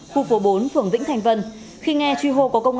khu phố bốn phường vĩnh thành vân